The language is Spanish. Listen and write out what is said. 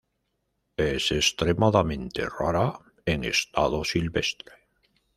Es extremadamente rara en estado silvestre.